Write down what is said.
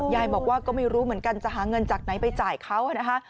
ยายบอกว่าก็ไม่รู้เหมือนกันจะหาเงินจากไหนไปจ่ายเขานะคะ